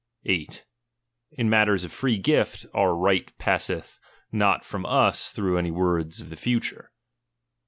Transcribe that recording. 8. In mat ters of free gift, our right passeth not from us through any words of the future.